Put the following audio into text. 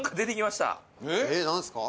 えっ何ですか？